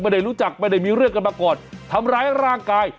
ไม่ได้รู้จักไม่ได้มีเรื่องกันมาก่อนทำร้ายร่างกาย